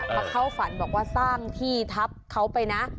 มาเข้าฝันบอกว่าสร้างที่ทัพเขาไปนะ